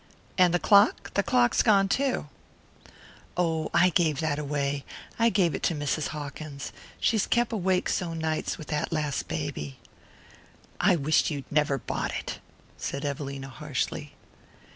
"And the clock? The clock's gone too." "Oh, I gave that away I gave it to Mrs. Hawkins. She's kep' awake so nights with that last baby." "I wish you'd never bought it," said Evelina harshly.